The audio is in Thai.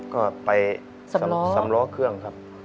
ก็ไปสำล้อเครื่องครับ